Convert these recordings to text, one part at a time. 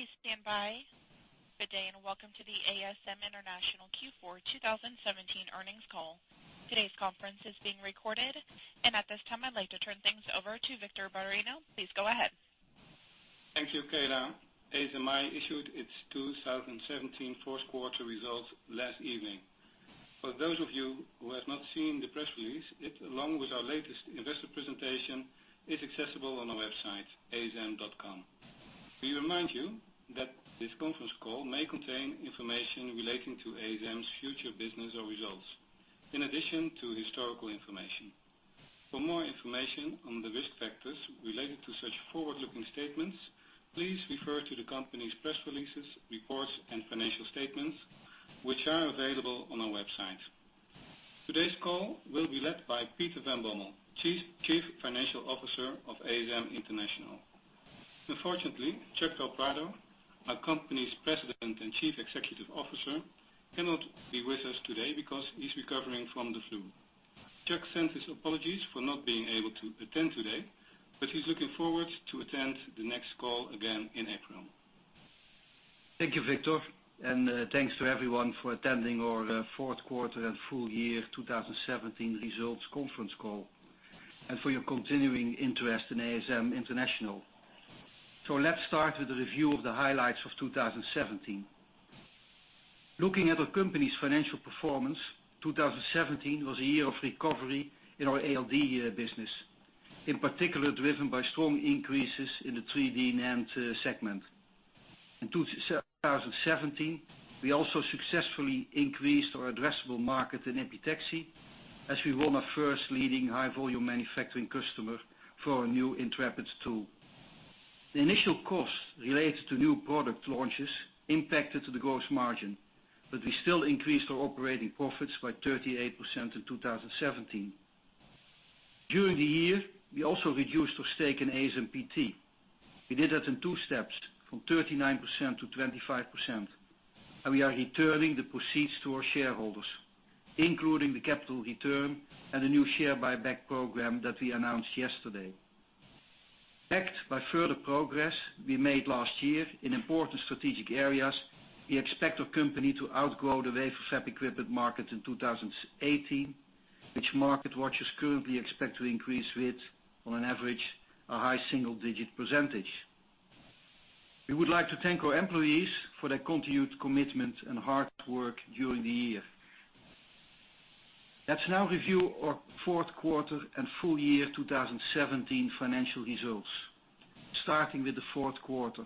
Please stand by. Good day, welcome to the ASM International Q4 2017 earnings call. Today's conference is being recorded. At this time, I'd like to turn things over to Victor Bareño. Please go ahead. Thank you, Kayla. ASMI issued its 2017 fourth quarter results last evening. For those of you who have not seen the press release, it, along with our latest investor presentation, is accessible on our website, asm.com. We remind you that this conference call may contain information relating to ASM's future business or results in addition to historical information. For more information on the risk factors related to such forward-looking statements, please refer to the company's press releases, reports, and financial statements, which are available on our website. Today's call will be led by Peter van Bommel, Chief Financial Officer of ASM International. Unfortunately, Chuck del Prado, our company's President and Chief Executive Officer, cannot be with us today because he's recovering from the flu. Chuck sends his apologies for not being able to attend today, but he's looking forward to attend the next call again in April. Thank you, Victor. Thanks to everyone for attending our fourth quarter and full year 2017 results conference call and for your continuing interest in ASM International. Let's start with a review of the highlights of 2017. Looking at our company's financial performance, 2017 was a year of recovery in our ALD business, in particular driven by strong increases in the 3D NAND segment. In 2017, we also successfully increased our addressable market in epitaxy as we won our first leading high-volume manufacturing customer for our new Intrepid tool. The initial cost related to new product launches impacted to the gross margin, but we still increased our operating profits by 38% in 2017. During the year, we also reduced our stake in ASMPT. We did that in two steps, from 39% to 25%, We are returning the proceeds to our shareholders, including the capital return and the new share buyback program that we announced yesterday. Backed by further progress we made last year in important strategic areas, we expect our company to outgrow the wafer fab equipment market in 2018, which market watchers currently expect to increase with, on an average, a high single-digit %. We would like to thank our employees for their continued commitment and hard work during the year. Let's now review our fourth quarter and full year 2017 financial results, starting with the fourth quarter.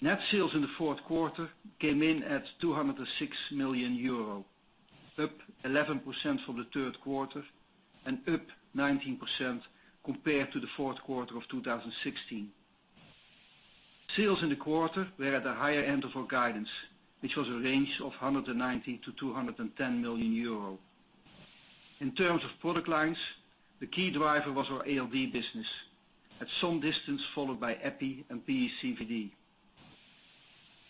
Net sales in the fourth quarter came in at 206 million euro, up 11% from the third quarter and up 19% compared to the fourth quarter of 2016. Sales in the quarter were at the higher end of our guidance, which was a range of 190 million-210 million euro. In terms of product lines, the key driver was our ALD business, at some distance followed by EPI and PECVD.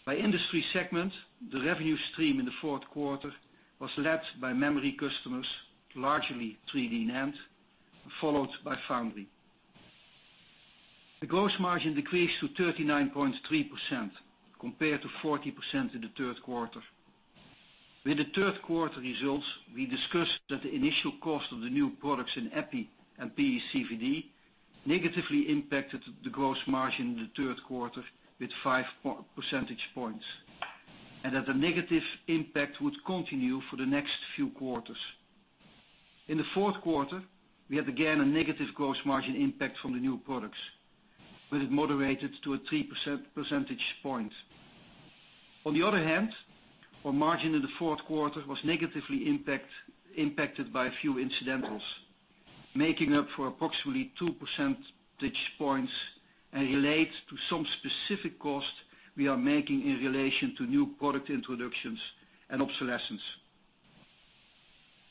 By industry segment, the revenue stream in the fourth quarter was led by memory customers, largely 3D NAND, followed by foundry. The gross margin decreased to 39.3% compared to 40% in the third quarter. With the third quarter results, we discussed that the initial cost of the new products in EPI and PECVD negatively impacted the gross margin in the third quarter with 5 percentage points, and that the negative impact would continue for the next few quarters. In the fourth quarter, we had again a negative gross margin impact from the new products, but it moderated to a 3 percentage points. On the other hand, our margin in the fourth quarter was negatively impacted by a few incidentals, making up for approximately 2 percentage points and relates to some specific cost we are making in relation to new product introductions and obsolescence.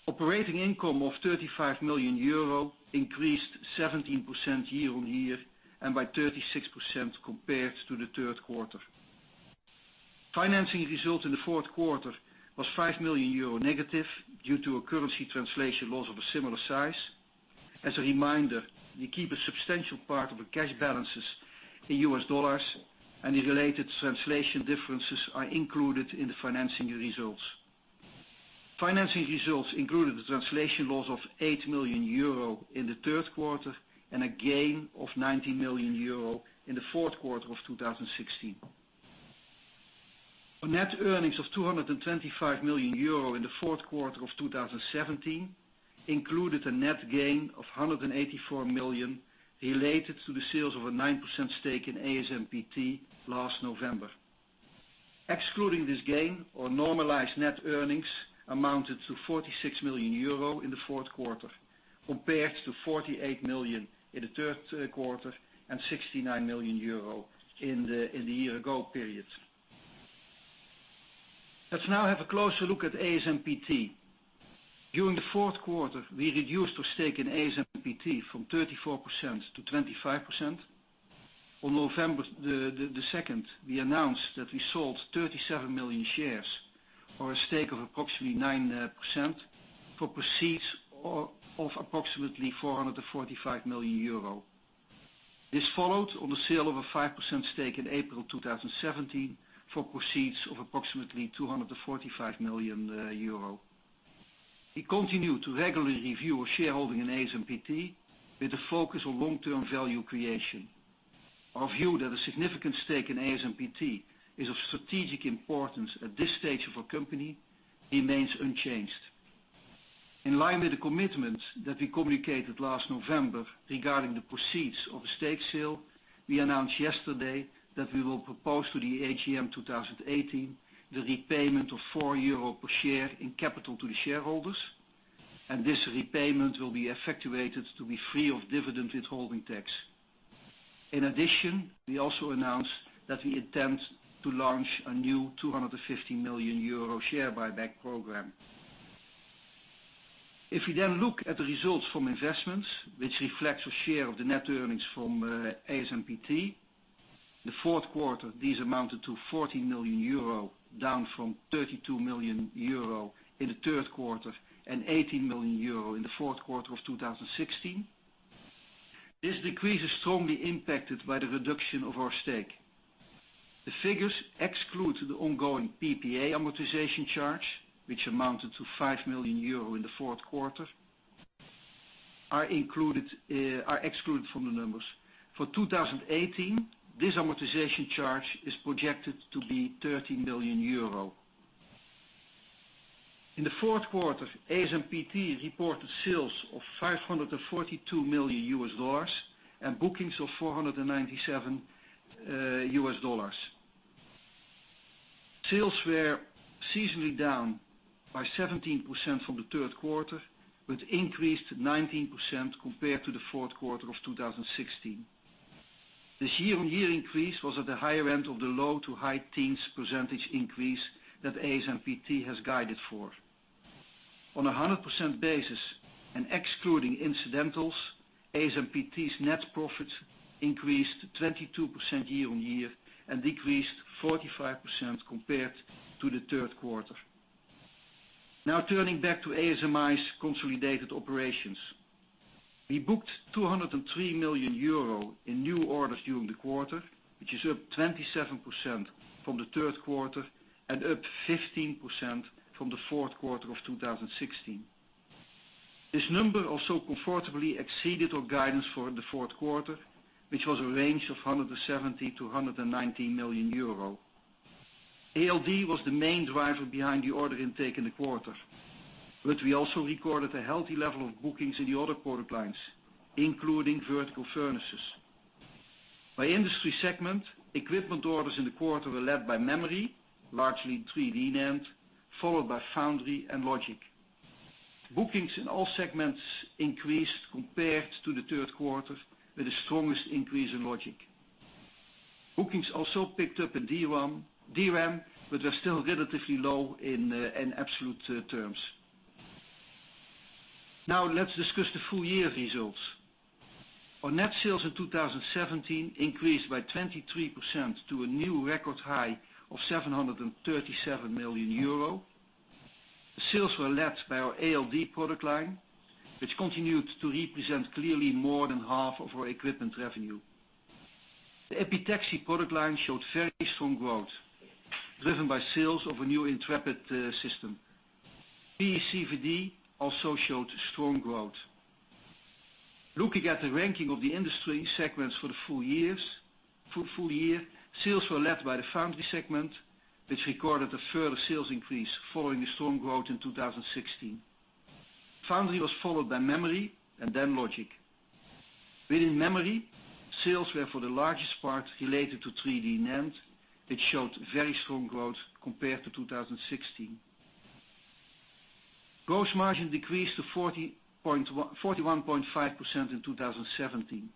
Operating income of 35 million euro increased 17% year-on-year and by 36% compared to the third quarter. Financing result in the fourth quarter was 5 million euro negative due to a currency translation loss of a similar size. As a reminder, we keep a substantial part of the cash balances in US dollars, and the related translation differences are included in the financing results. Financing results included a translation loss of 8 million euro in the third quarter and a gain of 90 million euro in the fourth quarter of 2016. Our net earnings of 225 million euro in the fourth quarter of 2017 included a net gain of 184 million related to the sales of a 9% stake in ASMPT last November. Excluding this gain, our normalized net earnings amounted to 46 million euro in the fourth quarter, compared to 48 million in the third quarter and 69 million euro in the year-ago period. Let's now have a closer look at ASMPT. During the fourth quarter, we reduced our stake in ASMPT from 34% to 25%. On November 2nd, we announced that we sold 37 million shares or a stake of approximately 9% for proceeds of approximately 445 million euro. This followed on the sale of a 5% stake in April 2017 for proceeds of approximately 245 million euro. We continue to regularly review our shareholding in ASMPT with the focus on long-term value creation. Our view that a significant stake in ASMPT is of strategic importance at this stage of our company remains unchanged. In line with the commitments that we communicated last November regarding the proceeds of the stake sale, we announced yesterday that we will propose to the AGM 2018 the repayment of 4 euro per share in capital to the shareholders. This repayment will be effectuated to be free of dividend withholding tax. In addition, we also announced that we intend to launch a new 250 million euro share buyback program. If we then look at the results from investments, which reflects a share of the net earnings from ASMPT. In the fourth quarter, these amounted to 14 million euro, down from 32 million euro in the third quarter and 18 million euro in the fourth quarter of 2016. This decrease is strongly impacted by the reduction of our stake. The figures exclude the ongoing PPA amortization charge, which amounted to 5 million euro in the fourth quarter, are excluded from the numbers. For 2018, this amortization charge is projected to be 13 million euro. In the fourth quarter, ASMPT reported sales of $542 million and bookings of $497 million. Sales were seasonally down by 17% from the third quarter, but increased 19% compared to the fourth quarter of 2016. This year-on-year increase was at the higher end of the low to high teens percentage increase that ASMPT has guided for. On 100% basis and excluding incidentals, ASMPT's net profits increased 22% year-on-year and decreased 45% compared to the third quarter. Turning back to ASMI's consolidated operations. We booked 203 million euro in new orders during the quarter, which is up 27% from the third quarter and up 15% from the fourth quarter of 2016. This number also comfortably exceeded our guidance for the fourth quarter, which was a range of 170 million-190 million euro. ALD was the main driver behind the order intake in the quarter, but we also recorded a healthy level of bookings in the other product lines, including vertical furnaces. By industry segment, equipment orders in the quarter were led by memory, largely 3D NAND, followed by foundry and logic. Bookings in all segments increased compared to the third quarter, with the strongest increase in logic. Bookings also picked up in DRAM but were still relatively low in absolute terms. Let's discuss the full-year results. Our net sales in 2017 increased by 23% to a new record high of 737 million euro. The sales were led by our ALD product line, which continued to represent clearly more than half of our equipment revenue. The epitaxy product line showed very strong growth, driven by sales of a new Intrepid system. PECVD also showed strong growth. Looking at the ranking of the industry segments for the full year, sales were led by the foundry segment, which recorded a further sales increase following a strong growth in 2016. Foundry was followed by memory and then logic. Within memory, sales were for the largest part related to 3D NAND, which showed very strong growth compared to 2016. Gross margin decreased to 41.5% in 2017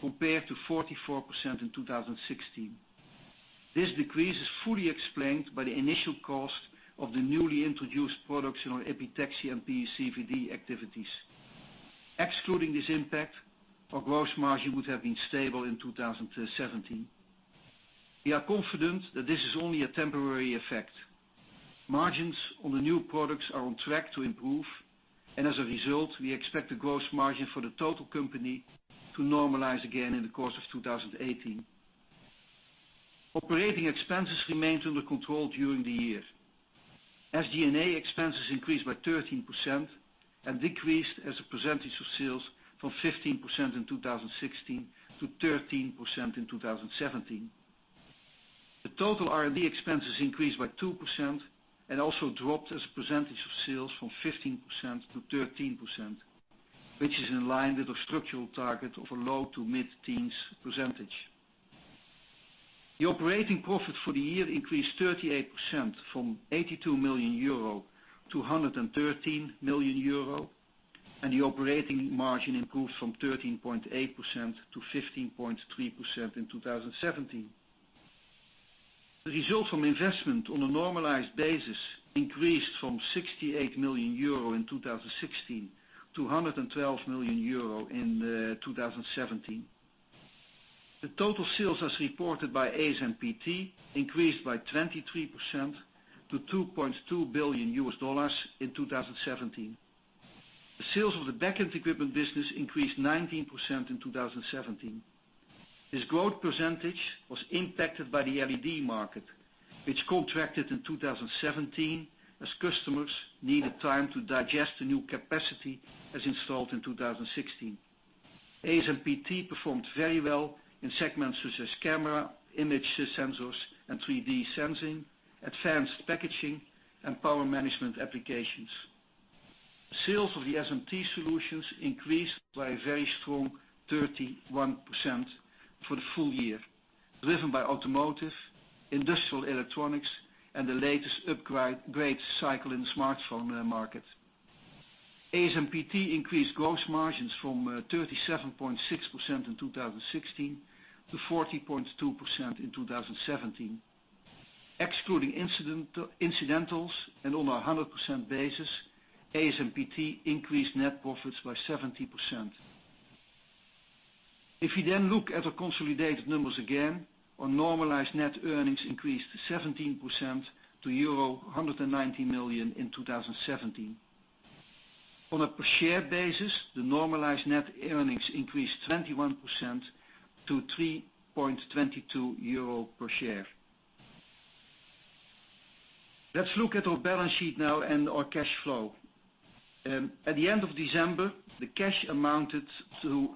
compared to 44% in 2016. This decrease is fully explained by the initial cost of the newly introduced products in our epitaxy and PECVD activities. Excluding this impact, our gross margin would have been stable in 2017. We are confident that this is only a temporary effect. Margins on the new products are on track to improve, as a result, we expect the gross margin for the total company to normalize again in the course of 2018. Operating expenses remained under control during the year. SG&A expenses increased by 13% and decreased as a percentage of sales from 15% in 2016 to 13% in 2017. The total R&D expenses increased by 2% and also dropped as a percentage of sales from 15%-13%, which is in line with our structural target of a low to mid-teens percentage. The operating profit for the year increased 38%, from 82 million-113 million euro, the operating margin improved from 13.8%-15.3% in 2017. The result from investment on a normalized basis increased from 68 million euro in 2016 to 112 million euro in 2017. The total sales, as reported by ASMPT, increased by 23% to $2.2 billion in 2017. The sales of the back-end equipment business increased 19% in 2017. This growth percentage was impacted by the LED market, which contracted in 2017 as customers needed time to digest the new capacity as installed in 2016. ASMPT performed very well in segments such as camera, image sensors, and 3D sensing, advanced packaging, and power management applications. Sales of the SMT solutions increased by a very strong 31% for the full year, driven by automotive, industrial electronics, and the latest upgrade cycle in the smartphone market. ASMPT increased gross margins from 37.6% in 2016 to 40.2% in 2017. Excluding incidentals and on a 100% basis, ASMPT increased net profits by 70%. If you look at our consolidated numbers again, our normalized net earnings increased 17% to euro 190 million in 2017. On a per share basis, the normalized net earnings increased 21% to 3.22 euro per share. Let's look at our balance sheet now and our cash flow. At the end of December, the cash amounted to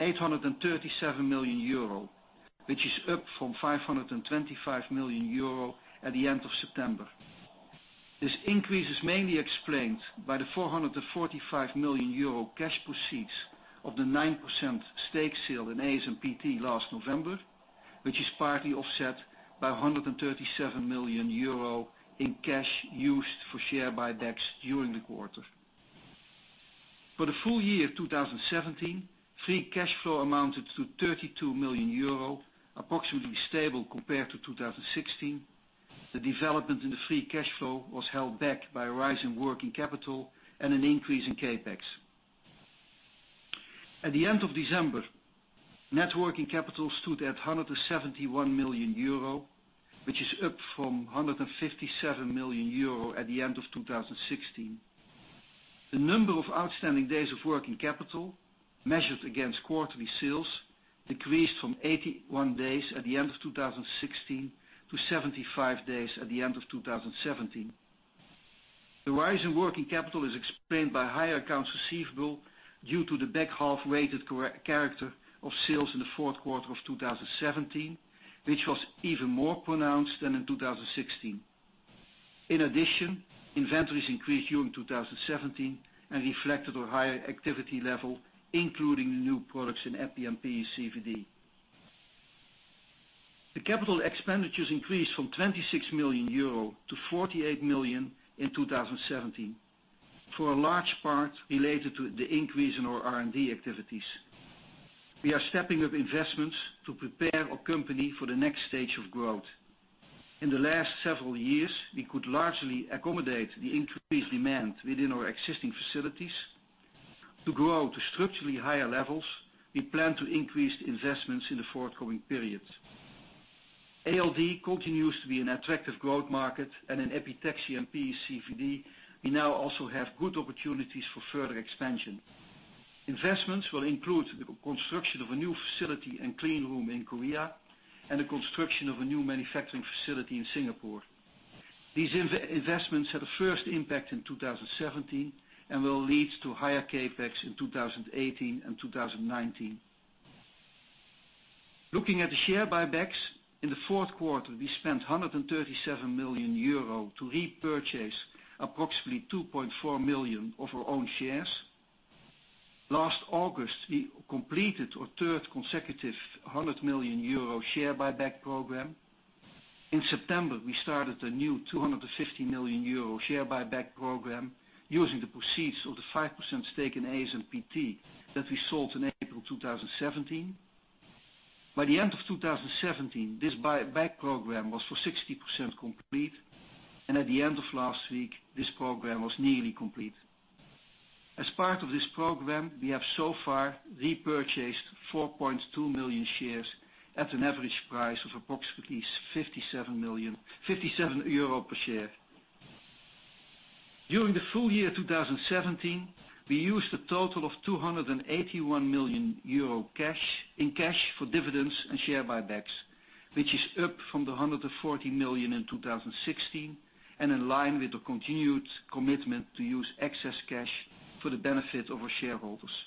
837 million euro, which is up from 525 million euro at the end of September. This increase is mainly explained by the 445 million euro cash proceeds of the 9% stake sale in ASMPT last November, which is partly offset by 137 million euro in cash used for share buybacks during the quarter. For the full year 2017, free cash flow amounted to 32 million euro, approximately stable compared to 2016. The development in the free cash flow was held back by a rise in working capital and an increase in CapEx. At the end of December, net working capital stood at 171 million euro, which is up from 157 million euro at the end of 2016. The number of outstanding days of working capital measured against quarterly sales decreased from 81 days at the end of 2016 to 75 days at the end of 2017. The rise in working capital is explained by higher accounts receivable due to the back-half weighted character of sales in the fourth quarter of 2017, which was even more pronounced than in 2016. In addition, inventories increased during 2017 and reflected a higher activity level, including the new products in EPI and PECVD. The capital expenditures increased from 26 million euro to 48 million in 2017, for a large part related to the increase in our R&D activities. We are stepping up investments to prepare our company for the next stage of growth. In the last several years, we could largely accommodate the increased demand within our existing facilities. To grow to structurally higher levels, we plan to increase the investments in the forthcoming periods. ALD continues to be an attractive growth market and in epitaxy and PECVD, we now also have good opportunities for further expansion. Investments will include the construction of a new facility and clean room in Korea and the construction of a new manufacturing facility in Singapore. These investments had a first impact in 2017 and will lead to higher CapEx in 2018 and 2019. Looking at the share buybacks, in the fourth quarter, we spent 137 million euro to repurchase approximately 2.4 million of our own shares. Last August, we completed our third consecutive 100 million euro share buyback program. In September, we started a new 250 million euro share buyback program using the proceeds of the 5% stake in ASMPT that we sold in April 2017. By the end of 2017, this buyback program was 60% complete, and at the end of last week, this program was nearly complete. As part of this program, we have so far repurchased 4.2 million shares at an average price of approximately 57 per share. During the full year 2017, we used a total of 281 million euro in cash for dividends and share buybacks, which is up from the 140 million in 2016 and in line with the continued commitment to use excess cash for the benefit of our shareholders.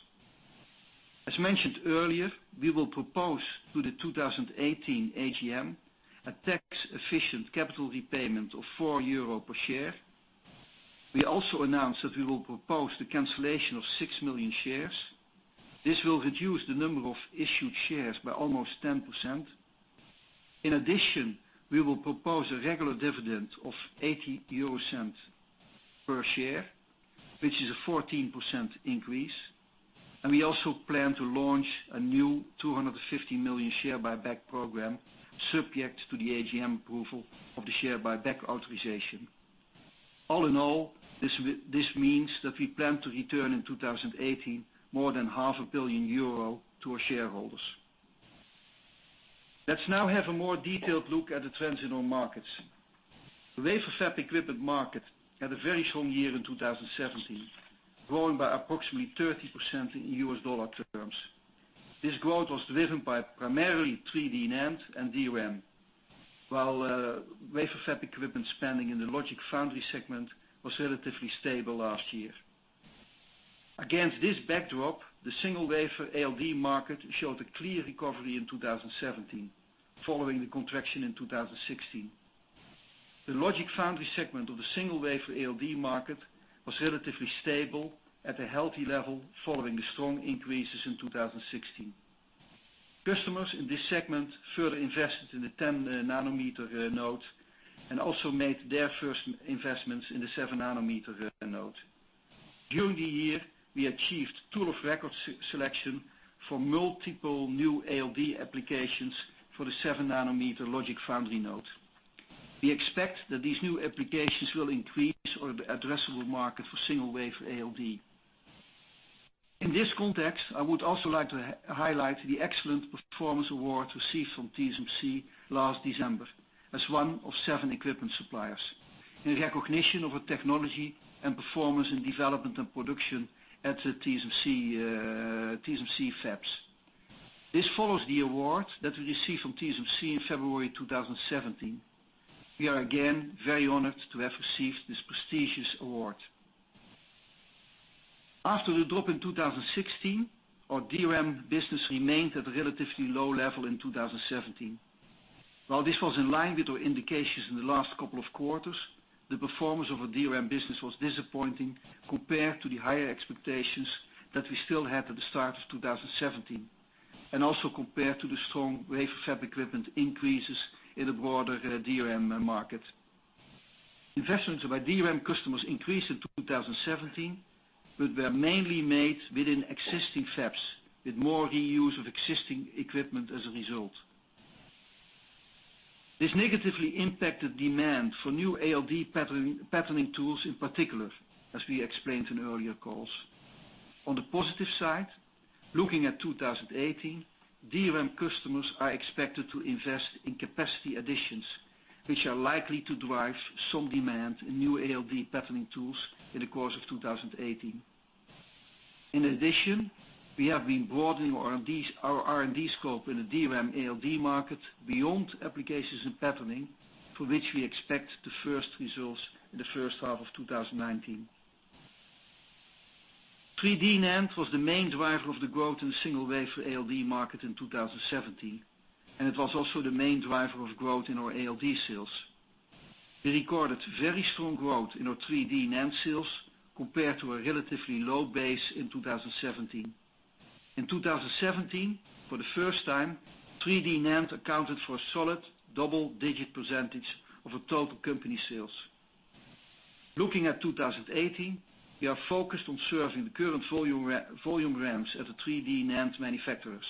As mentioned earlier, we will propose to the 2018 AGM a tax-efficient capital repayment of 4 euro per share. We also announced that we will propose the cancellation of 6 million shares. This will reduce the number of issued shares by almost 10%. In addition, we will propose a regular dividend of 0.80. Per share, which is a 14% increase, and we also plan to launch a new 250 million share buyback program, subject to the AGM approval of the share buyback authorization. All in all, this means that we plan to return in 2018, more than half a billion EUR to our shareholders. Let's now have a more detailed look at the trends in our markets. The wafer fab equipment market had a very strong year in 2017, growing by approximately 30% in U.S. dollar terms. This growth was driven by primarily 3D NAND and DRAM. While wafer fab equipment spending in the logic foundry segment was relatively stable last year. Against this backdrop, the single wafer ALD market showed a clear recovery in 2017, following the contraction in 2016. The logic foundry segment of the single wafer ALD market was relatively stable at a healthy level following the strong increases in 2016. Customers in this segment further invested in the 10 nanometer node and also made their first investments in the 7 nanometer node. During the year, we achieved tool of record selection for multiple new ALD applications for the 7 nanometer logic foundry node. We expect that these new applications will increase our addressable market for single wafer ALD. In this context, I would also like to highlight the excellent performance award received from TSMC last December as one of seven equipment suppliers. In recognition of our technology and performance in development and production at the TSMC fabs. This follows the award that we received from TSMC in February 2017. We are again very honored to have received this prestigious award. After the drop in 2016, our DRAM business remained at a relatively low level in 2017. While this was in line with our indications in the last couple of quarters, the performance of our DRAM business was disappointing compared to the higher expectations that we still had at the start of 2017, and also compared to the strong wafer fab equipment increases in the broader DRAM market. Investments by DRAM customers increased in 2017, but were mainly made within existing fabs, with more reuse of existing equipment as a result. This negatively impacted demand for new ALD patterning tools in particular, as we explained in earlier calls. On the positive side, looking at 2018, DRAM customers are expected to invest in capacity additions, which are likely to drive some demand in new ALD patterning tools in the course of 2018. In addition, we have been broadening our R&D scope in the DRAM ALD market beyond applications in patterning, for which we expect the first results in the first half of 2019. 3D NAND was the main driver of the growth in the single wafer ALD market in 2017, and it was also the main driver of growth in our ALD sales. We recorded very strong growth in our 3D NAND sales compared to a relatively low base in 2017. In 2017, for the first time, 3D NAND accounted for a solid double-digit % of our total company sales. Looking at 2018, we are focused on serving the current volume ramps at the 3D NAND manufacturers.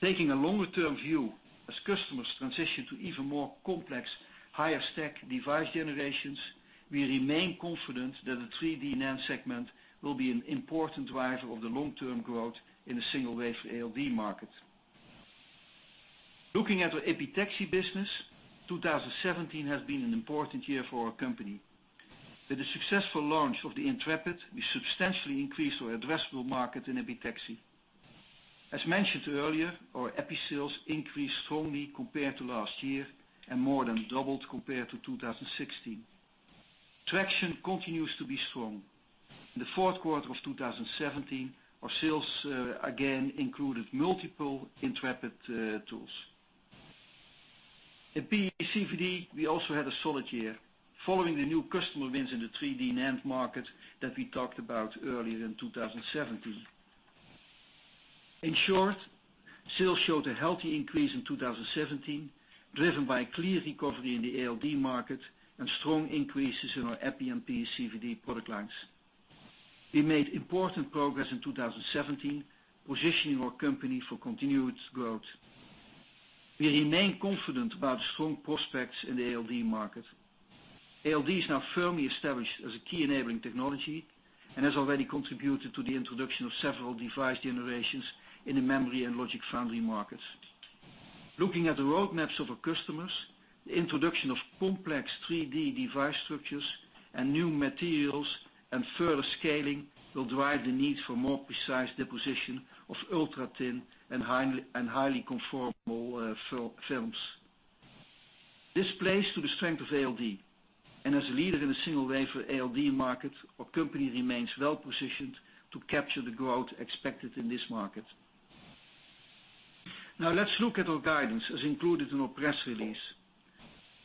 Taking a longer-term view, as customers transition to even more complex, higher stack device generations, we remain confident that the 3D NAND segment will be an important driver of the long-term growth in the single wafer ALD market. Looking at our epitaxy business, 2017 has been an important year for our company. With the successful launch of the Intrepid, we substantially increased our addressable market in epitaxy. As mentioned earlier, our epi sales increased strongly compared to last year and more than doubled compared to 2016. Traction continues to be strong. In the fourth quarter of 2017, our sales again included multiple Intrepid tools. In PECVD, we also had a solid year, following the new customer wins in the 3D NAND market that we talked about earlier in 2017. Sales showed a healthy increase in 2017, driven by a clear recovery in the ALD market and strong increases in our epi and PECVD product lines. We made important progress in 2017, positioning our company for continued growth. We remain confident about the strong prospects in the ALD market. ALD is now firmly established as a key enabling technology and has already contributed to the introduction of several device generations in the memory and logic foundry markets. Looking at the roadmaps of our customers, the introduction of complex 3D device structures and new materials and further scaling will drive the need for more precise deposition of ultrathin and highly conformal films. This plays to the strength of ALD, and as a leader in the single wafer ALD market, our company remains well-positioned to capture the growth expected in this market. Let's look at our guidance as included in our press release.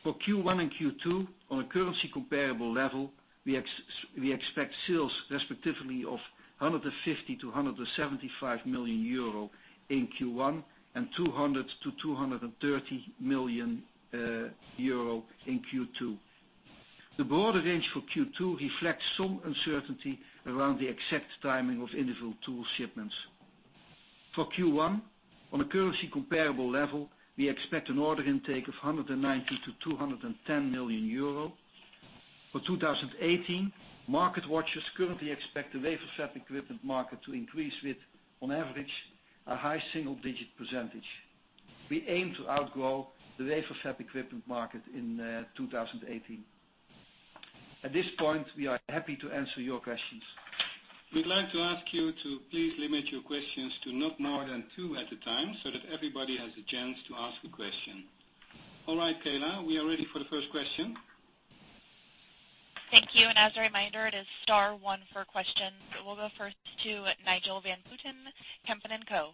For Q1 and Q2 on a currency comparable level, we expect sales respectively of 150 million to 175 million euro in Q1, and 200 million to 230 million euro in Q2. The broader range for Q2 reflects some uncertainty around the exact timing of individual tool shipments. For Q1, on a currency comparable level, we expect an order intake of 190 million to 210 million euro. For 2018, market watchers currently expect the wafer fab equipment market to increase with, on average, a high single-digit %. We aim to outgrow the wafer fab equipment market in 2018. At this point, we are happy to answer your questions. We'd like to ask you to please limit your questions to not more than two at a time so that everybody has a chance to ask a question. All right, Kayla, we are ready for the first question. Thank you. As a reminder, it is star one for questions. We'll go first to Nigel van Putten, Kempen & Co.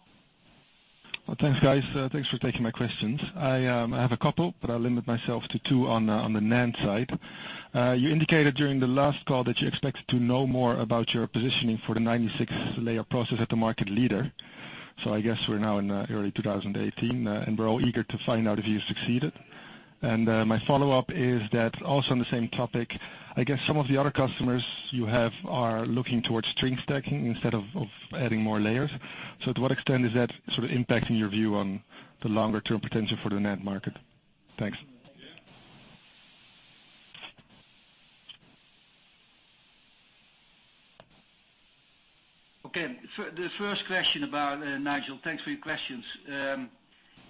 Well, thanks, guys. Thanks for taking my questions. I have a couple, I'll limit myself to two on the NAND side. You indicated during the last call that you expected to know more about your positioning for the 96-layer process at the market leader. I guess we're now in early 2018, and we're all eager to find out if you succeeded. My follow-up is that also on the same topic, I guess some of the other customers you have are looking towards string stacking instead of adding more layers. To what extent is that sort of impacting your view on the longer-term potential for the NAND market? Thanks. Okay. Nigel, thanks for your questions.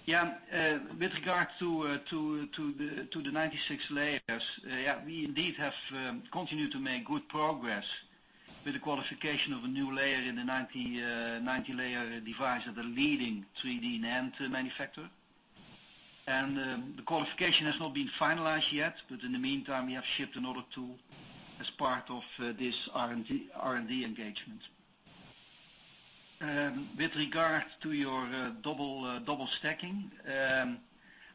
With regard to the 96 layers, we indeed have continued to make good progress with the qualification of a new layer in the 96-layer device at the leading 3D NAND manufacturer. The qualification has not been finalized yet, in the meantime, we have shipped another tool as part of this R&D engagement. With regard to your double stacking,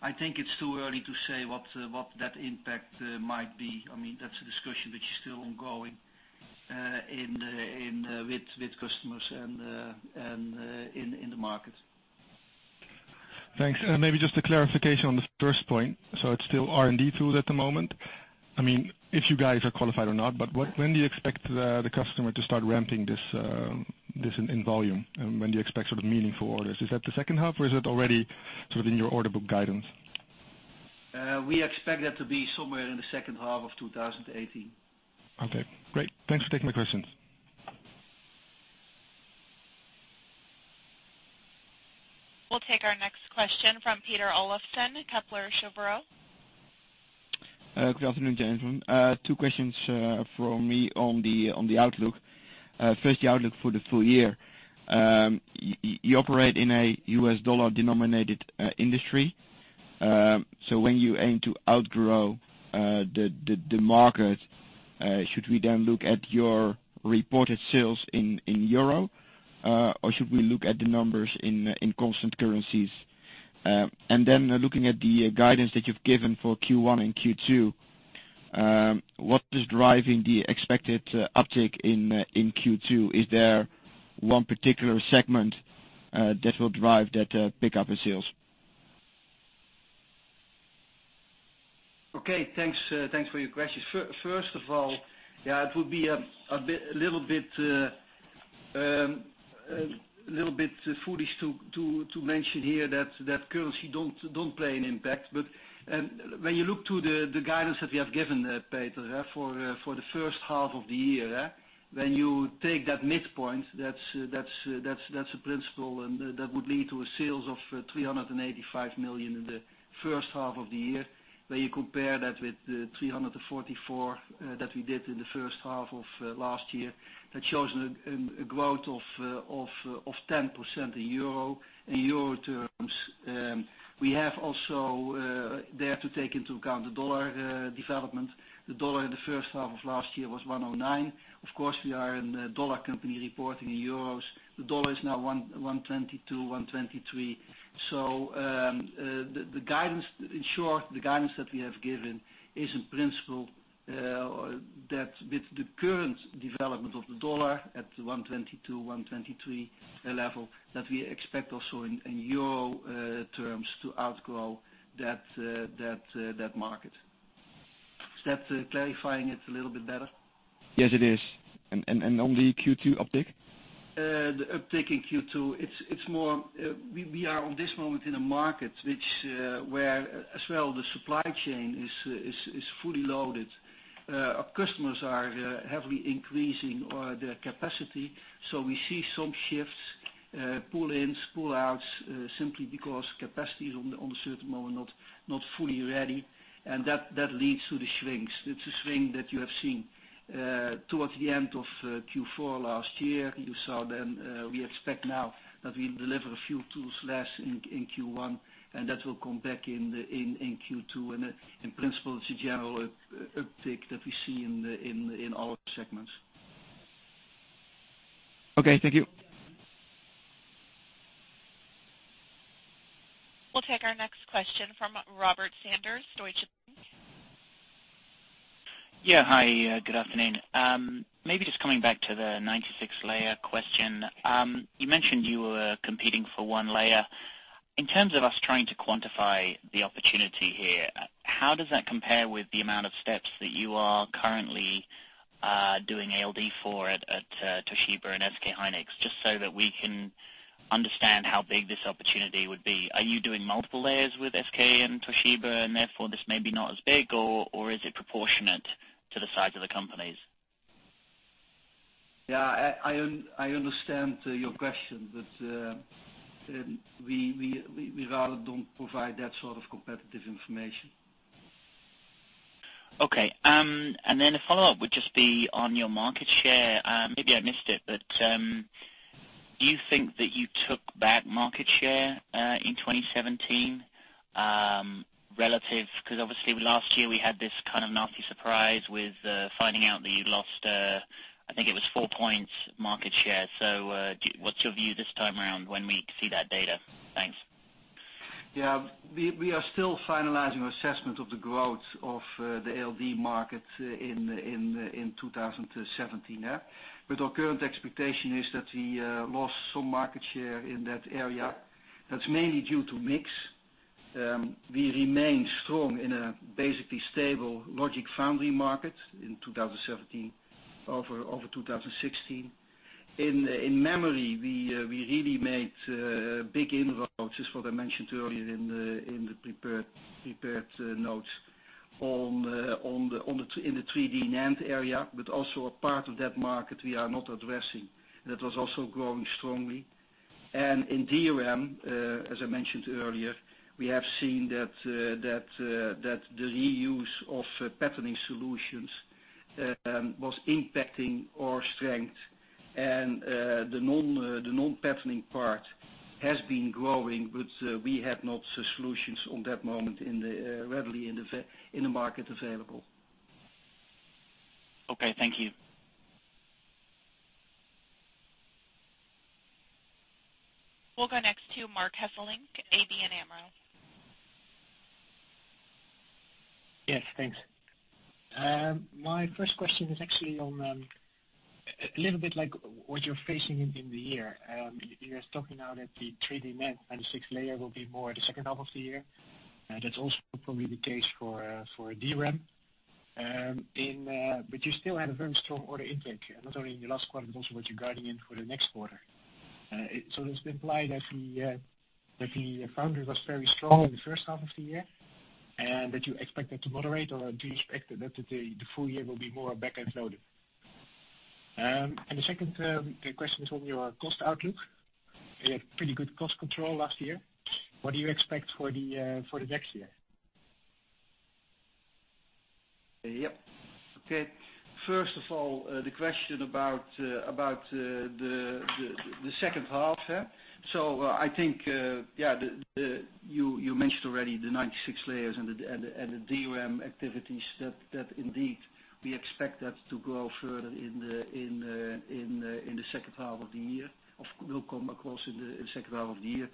I think it's too early to say what that impact might be. That's a discussion that is still ongoing with customers and in the market. Thanks. Maybe just a clarification on the first point. It's still R&D tools at the moment. If you guys are qualified or not, but when do you expect the customer to start ramping this in volume? When do you expect sort of meaningful orders? Is that the second half or is it already sort of in your order book guidance? We expect that to be somewhere in the second half of 2018. Okay, great. Thanks for taking my questions. We'll take our next question from Peter Olofsen, Kepler Cheuvreux. Good afternoon, gentlemen. Two questions from me on the outlook. First, the outlook for the full year. You operate in a U.S. dollar-denominated industry. When you aim to outgrow the market, should we then look at your reported sales in EUR, or should we look at the numbers in constant currencies? Looking at the guidance that you've given for Q1 and Q2, what is driving the expected uptick in Q2? Is there one particular segment that will drive that pickup in sales? Okay. Thanks for your questions. First of all, it would be a little bit foolish to mention here that currency doesn't play an impact. When you look to the guidance that we have given, Peter, for the first half of the year, when you take that midpoint, that's a principle and that would lead to sales of 385 million in the first half of the year. When you compare that with the 344 million that we did in the first half of last year, that shows a growth of 10% in EUR terms. We have also there to take into account the dollar development. The dollar in the first half of last year was 109. Of course, we are a dollar company reporting in EUR. The dollar is now 122, 123. In short, the guidance that we have given is in principle that with the current development of the dollar at 122, 123 level, that we expect also in EUR terms to outgrow that market. Is that clarifying it a little bit better? Yes, it is. On the Q2 uptick? The uptick in Q2, we are at this moment in a market where as well the supply chain is fully loaded. Our customers are heavily increasing their capacity. We see some shifts, pull-ins, pull-outs, simply because capacity is on a certain moment not fully ready, and that leads to the shrinks. It's a shrink that you have seen towards the end of Q4 last year. You saw then, we expect now that we'll deliver a few tools less in Q1, and that will come back in Q2. In principle, it's a general uptick that we see in all segments. Okay, thank you. We'll take our next question from Robert Sanders, Deutsche Bank. Yeah. Hi, good afternoon. Maybe just coming back to the 96-layer question. You mentioned you were competing for one layer. In terms of us trying to quantify the opportunity here, how does that compare with the amount of steps that you are currently doing ALD for at Toshiba and SK hynix? Just so that we can understand how big this opportunity would be. Are you doing multiple layers with SK and Toshiba and therefore this may be not as big? Or is it proportionate to the size of the companies? Yeah. I understand your question. We rather don't provide that sort of competitive information. Okay. A follow-up would just be on your market share. Maybe I missed it. Do you think that you took back market share in 2017? Relative, because obviously last year we had this kind of nasty surprise with finding out that you lost, I think it was 4 points market share. What's your view this time around when we see that data? Thanks. Yeah. We are still finalizing assessment of the growth of the ALD market in 2017. Our current expectation is that we lost some market share in that area. That's mainly due to mix. We remain strong in a basically stable logic foundry market in 2017 over 2016. In memory, we really made big inroads, just what I mentioned earlier in the prepared notes in the 3D NAND area. Also a part of that market we are not addressing. That was also growing strongly. In DRAM, as I mentioned earlier, we have seen that the reuse of patterning solutions was impacting our strength and the non-patterning part has been growing. We had not solutions on that moment readily in the market available. Okay, thank you. We'll go next to Marc Hesselink, ABN AMRO. Yes, thanks. My first question is actually on a little bit like what you're facing in the year. You're talking now that the 3D NAND 96-layer will be more the second half of the year. That's also probably the case for DRAM. You still had a very strong order intake, not only in the last quarter, but also what you're guiding in for the next quarter. Does it imply that the foundry was very strong in the first half of the year, and that you expect that to moderate, or do you expect that the full year will be more back-end loaded? The second question is on your cost outlook. You had pretty good cost control last year. What do you expect for the next year? Yep. Okay. First of all, the question about the second half. I think, you mentioned already the 96-layers and the DRAM activities. That indeed, we expect that to grow further in the second half of the year, or will come across in the second half of the year.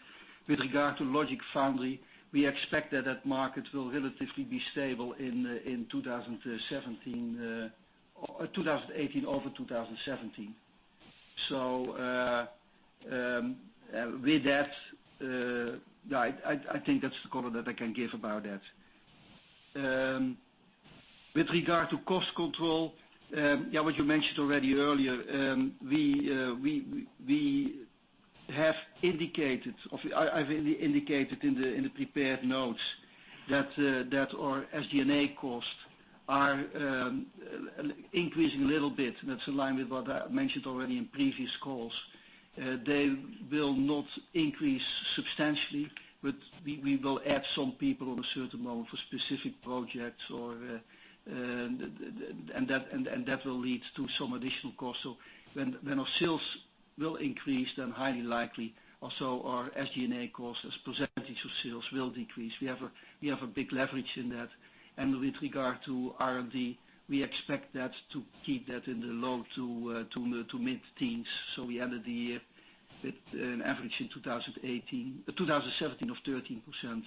With regard to logic foundry, we expect that that market will relatively be stable in 2018 over 2017. With that, I think that's the color that I can give about that. With regard to cost control, what you mentioned already earlier, I've indicated in the prepared notes that our SG&A costs are increasing a little bit, and that's in line with what I mentioned already in previous calls. They will not increase substantially, but we will add some people on a certain moment for specific projects, and that will lead to some additional costs. When our sales will increase, then highly likely also our SG&A costs as percentage of sales will decrease. We have a big leverage in that. With regard to R&D, we expect that to keep that in the low to mid-teens. We ended the year with an average in 2017 of 13%,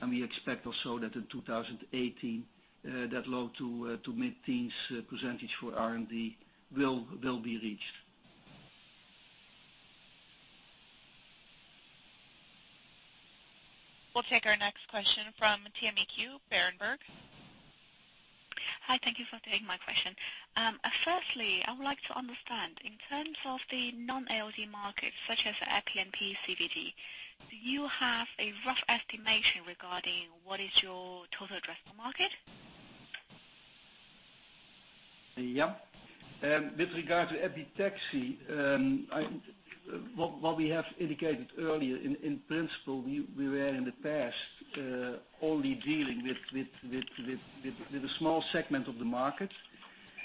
and we expect also that in 2018, that low to mid-teens percentage for R&D will be reached. We'll take our next question from Tien-Mei Ku, Berenberg. Hi. Thank you for taking my question. Firstly, I would like to understand, in terms of the non-ALD markets such as EPI and PECVD, do you have a rough estimation regarding what is your total addressable market? With regard to epitaxy, what we have indicated earlier, in principle, we were in the past only dealing with a small segment of the market,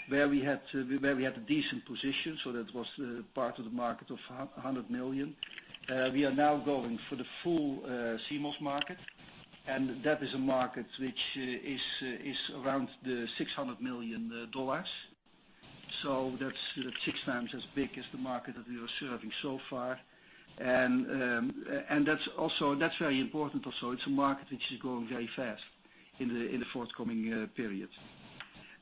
where we had a decent position. That was the part of the market of 100 million. We are now going for the full CMOS market, and that is a market which is around the EUR 600 million. That's six times as big as the market that we are serving so far. That's very important also, it's a market which is growing very fast in the forthcoming period.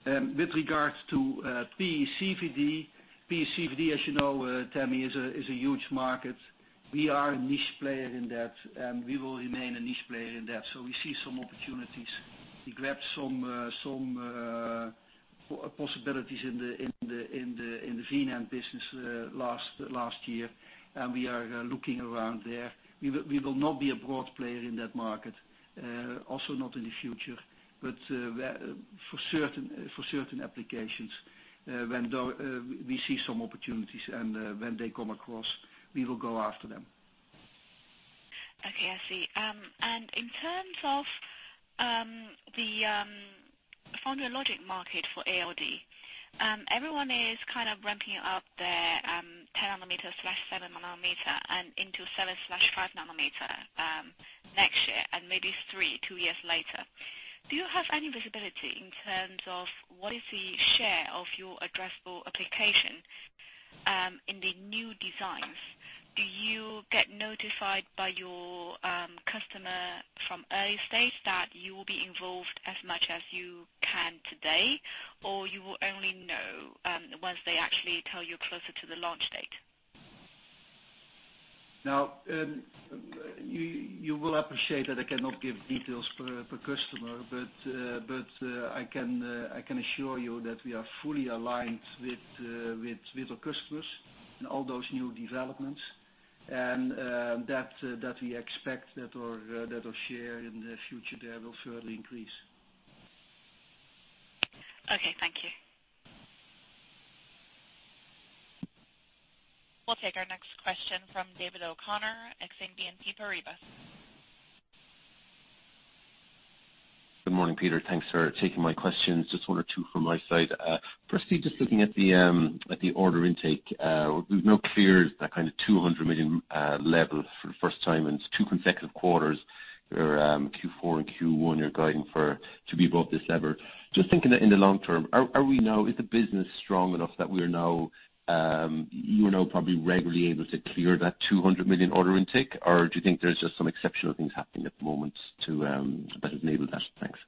With regards to PECVD. PECVD, as you know, Tien-Mei, is a huge market. We are a niche player in that, and we will remain a niche player in that. We see some opportunities. We grabbed some possibilities in the NAND business last year, and we are looking around there. We will not be a broad player in that market, also not in the future, for certain applications, when we see some opportunities and when they come across, we will go after them. Okay, I see. In terms of the found logic market for ALD, everyone is kind of ramping up their 10 nanometer/7 nanometer and into 7/5 nanometer next year and maybe three, two years later. Do you have any visibility in terms of what is the share of your addressable application in the new designs? Do you get notified by your customer from early stage that you will be involved as much as you can today, or you will only know once they actually tell you closer to the launch date? You will appreciate that I cannot give details per customer, but I can assure you that we are fully aligned with our customers in all those new developments, and that we expect that our share in the future there will further increase. Okay. Thank you. We'll take our next question from David O'Connor, Exane BNP Paribas. Good morning, Peter. Thanks for taking my questions. Just one or two from my side. Firstly, just looking at the order intake. There is no clear that kind of 200 million level for the first time in two consecutive quarters. Your Q4 and Q1 you are guiding to be above this level. Just thinking in the long term, is the business strong enough that you are now probably regularly able to clear that 200 million order intake, or do you think there is just some exceptional things happening at the moment to enable that? Thanks.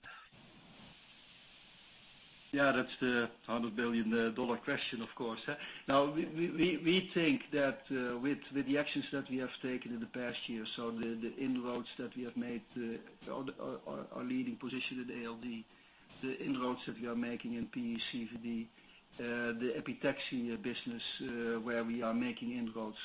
Yeah. That is the EUR 100 million question, of course. We think that with the actions that we have taken in the past year, the inroads that we have made, our leading position at ALD, the inroads that we are making in PECVD, the epitaxy business, where we are making inroads.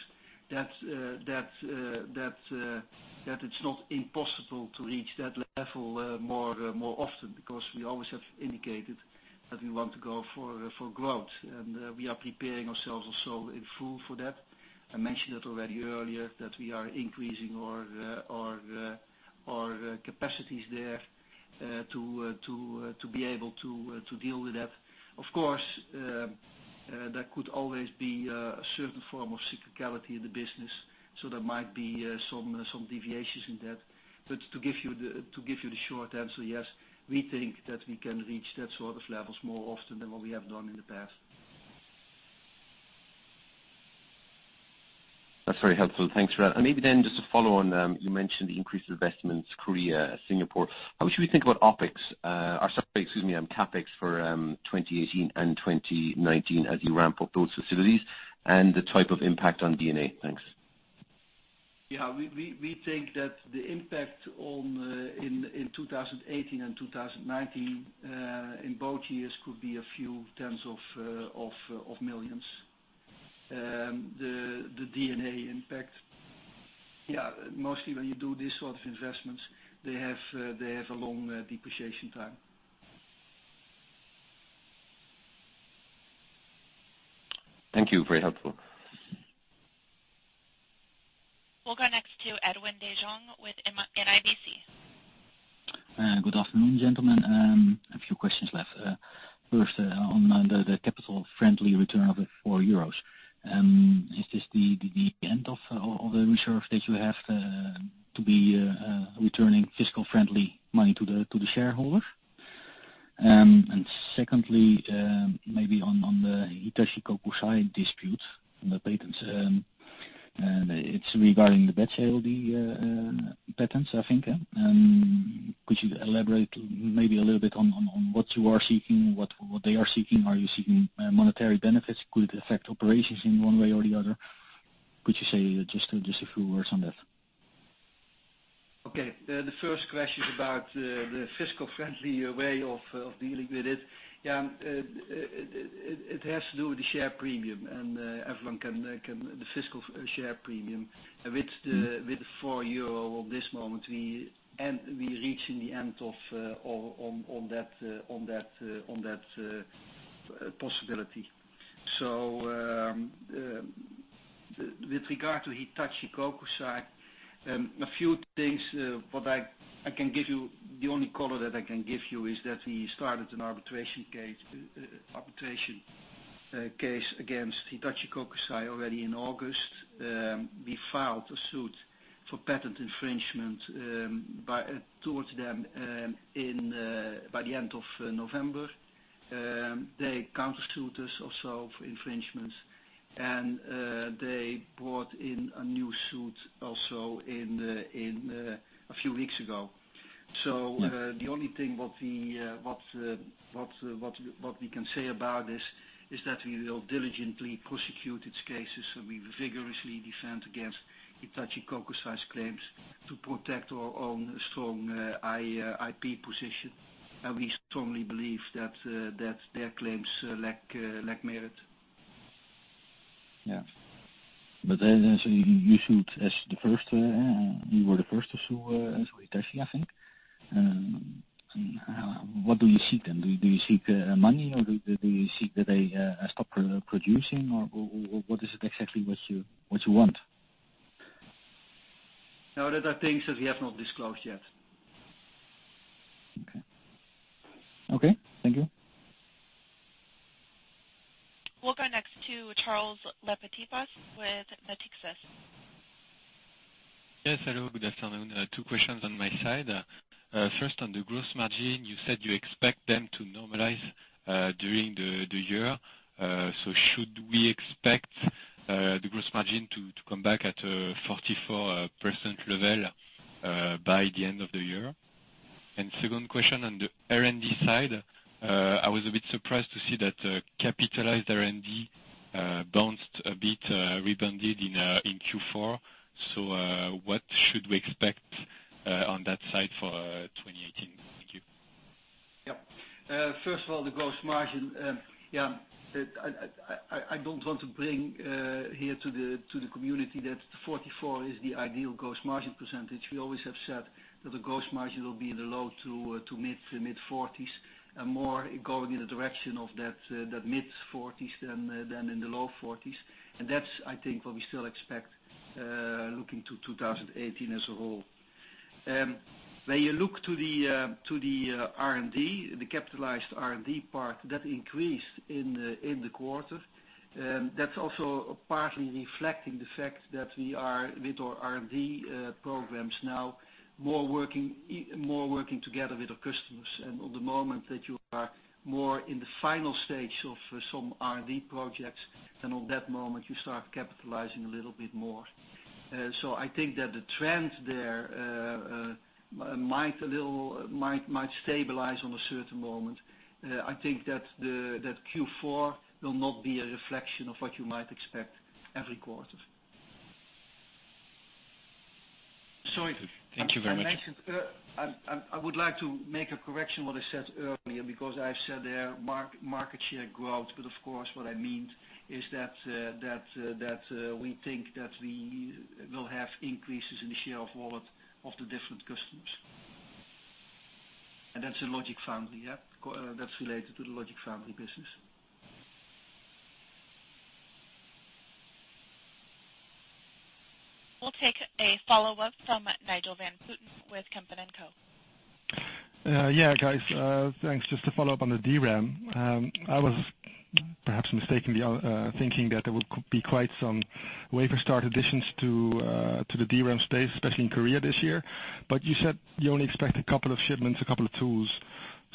That it is not impossible to reach that level more often because we always have indicated that we want to go for growth. We are preparing ourselves also in full for that. I mentioned it already earlier that we are increasing our capacities there to be able to deal with that. Of course, there could always be a certain form of cyclicality in the business, so there might be some deviations in that. To give you the short answer, yes, we think that we can reach that sort of levels more often than what we have done in the past. That is very helpful. Thanks for that. Maybe then just to follow on, you mentioned the increased investments, Korea, Singapore. How should we think about OpEx? Or sorry, excuse me, CapEx for 2018 and 2019 as you ramp up those facilities and the type of impact on D&A. Thanks. Yeah. We think that the impact in 2018 and 2019, in both years, could be a few tens of millions EUR. The D&A impact. Mostly when you do this sort of investments, they have a long depreciation time. Thank you. Very helpful. We'll go next to Edwin de Jong with NIBC. Good afternoon, gentlemen. A few questions left. First, on the capital friendly return of the 4 euros. Is this the end of all the reserve that you have to be returning fiscal-friendly money to the shareholders? Secondly, maybe on the Hitachi Kokusai dispute on the patents. It's regarding the batch ALD patents, I think. Could you elaborate maybe a little bit on what you are seeking, what they are seeking? Are you seeking monetary benefits? Could it affect operations in one way or the other? Could you say just a few words on that? Okay. The first question is about the fiscal-friendly way of dealing with it. Yeah. It has to do with the share premium. The fiscal share premium with the 4 euro at this moment, we reaching the end on that possibility. With regard to Hitachi Kokusai, a few things. What I can give you, the only color that I can give you is that we started an arbitration case against Hitachi Kokusai already in August. We filed a suit for patent infringement towards them by the end of November. They counter-sued us also for infringement, they brought in a new suit also a few weeks ago. The only thing what we can say about this is that we will diligently prosecute its cases, we vigorously defend against Hitachi Kokusai claims to protect our own strong IP position. We strongly believe that their claims lack merit. Yeah. You sued as the first. You were the first to sue Hitachi, I think. What do you seek then? Do you seek money, or do you seek that they stop producing, or what is it exactly what you want? No, those are things that we have not disclosed yet. Okay. Thank you. We'll go next to Charles Lepetitpas with Natixis. Yes, hello. Good afternoon. Two questions on my side. First, on the gross margin, you said you expect them to normalize during the year. Should we expect the gross margin to come back at a 44% level by the end of the year? Second question, on the R&D side, I was a bit surprised to see that capitalized R&D bounced a bit, rebounded in Q4. What should we expect on that side for 2018? Thank you. Yeah. First of all, the gross margin. Yeah. I don't want to bring here to the community that 44 is the ideal gross margin percentage. We always have said that the gross margin will be in the low to mid 40s, and more going in the direction of that mid 40s than in the low 40s. That's, I think, what we still expect looking to 2018 as a whole. When you look to the R&D, the capitalized R&D part that increased in the quarter, that's also partly reflecting the fact that we are, with our R&D programs now, more working together with our customers. On the moment that you are more in the final stage of some R&D projects, then on that moment, you start capitalizing a little bit more. I think that the trend there might stabilize on a certain moment. I think that Q4 will not be a reflection of what you might expect every quarter. Thank you very much. I would like to make a correction what I said earlier, because I've said there market share growth, but of course, what I meant is that we think that we will have increases in the share of wallet of the different customers. That's a logic foundry, yeah. That's related to the logic foundry business. We'll take a follow-up from Nigel van Putten with Kempen & Co. Yeah, guys, thanks. Just to follow up on the DRAM. I was perhaps mistakenly thinking that there could be quite some wafer start additions to the DRAM space, especially in Korea this year. You said you only expect a couple of shipments, a couple of tools.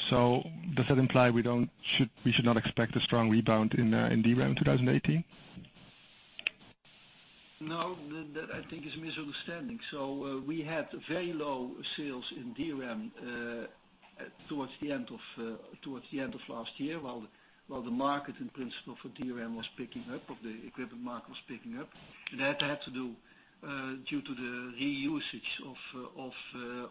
Does that imply we should not expect a strong rebound in DRAM 2018? No, that I think is a misunderstanding. We had very low sales in DRAM towards the end of last year, while the market in principle for DRAM was picking up, or the equipment market was picking up. That had to do due to the reusage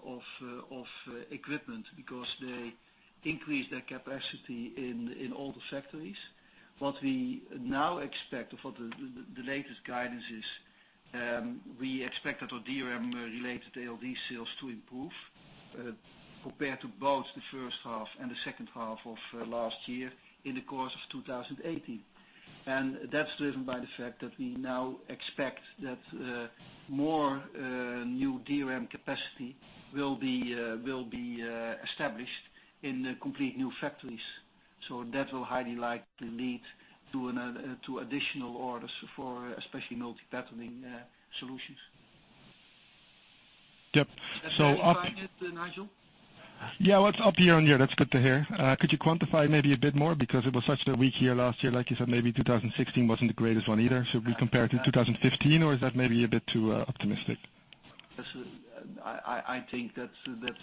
of equipment because they increased their capacity in all the factories. What we now expect for the latest guidance is, we expect that our DRAM-related ALD sales to improve compared to both the first half and the second half of last year in the course of 2018. That's driven by the fact that we now expect that more new DRAM capacity will be established in complete new factories. That will highly likely lead to additional orders for especially multi-patterning solutions. Yep. Does that answer it, Nigel? Yeah, that's good to hear. Could you quantify maybe a bit more? It was such a weak year last year, like you said, maybe 2016 wasn't the greatest one either. Should we compare it to 2015, or is that maybe a bit too optimistic? I think that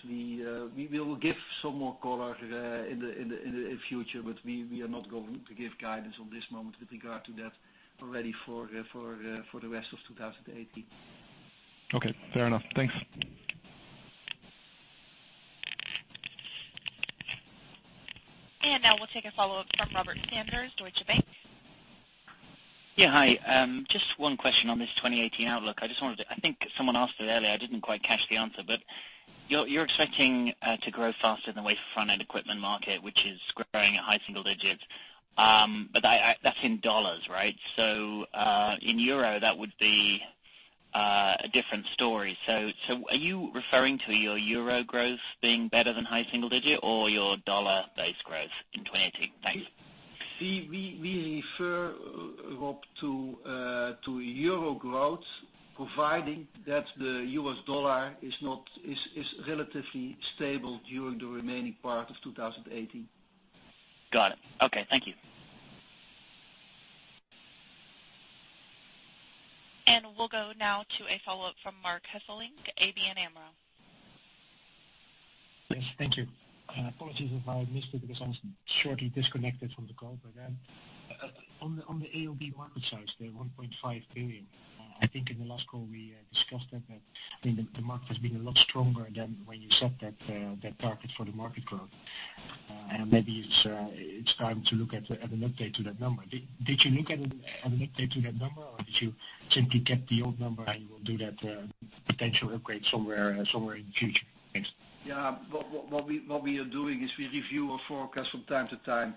we will give some more color in the future, we are not going to give guidance on this moment with regard to that already for the rest of 2018. Okay. Fair enough. Thanks. Now we'll take a follow-up from Robert Sanders, Deutsche Bank. Yeah, hi. Just one question on this 2018 outlook. I think someone asked it earlier, I didn't quite catch the answer, but you're expecting to grow faster than wafer front-end equipment market, which is growing at high single digits. That's in dollars, right? In euro, that would be a different story. Are you referring to your euro growth being better than high single digit or your dollar-based growth in 2018? Thanks. We refer, Rob, to euro growth, providing that the US dollar is relatively stable during the remaining part of 2018. Got it. Okay. Thank you. We'll go now to a follow-up from Marc Hesselink, ABN AMRO. Yes, thank you. Apologies if I missed it because I was shortly disconnected from the call. On the ALD market size, the $1.5 billion, I think in the last call we discussed that the market has been a lot stronger than when you set that target for the market growth. Maybe it's time to look at an update to that number. Did you look at an update to that number, or did you simply kept the old number, and you will do that potential upgrade somewhere in the future? Thanks. Yeah. What we are doing is we review our forecast from time to time,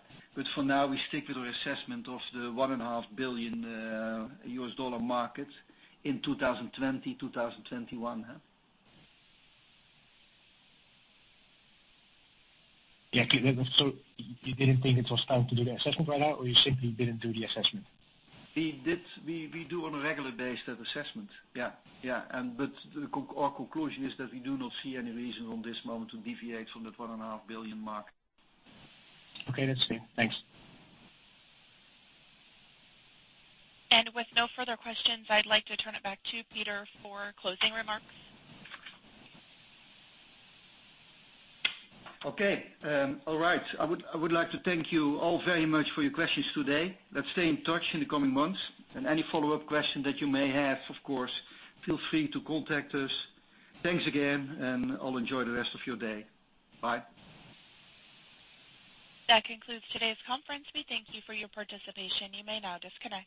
for now we stick with our assessment of the US $1.5 billion market in 2020, 2021. Yeah. You didn't think it was time to do the assessment right now, or you simply didn't do the assessment? We do on a regular basis that assessment. Yeah. Our conclusion is that we do not see any reason at this moment to deviate from that $1.5 billion mark. Okay, that's clear. Thanks. With no further questions, I'd like to turn it back to Peter for closing remarks. Okay. All right. I would like to thank you all very much for your questions today. Let's stay in touch in the coming months. Any follow-up question that you may have, of course, feel free to contact us. Thanks again, all enjoy the rest of your day. Bye. That concludes today's conference. We thank you for your participation. You may now disconnect.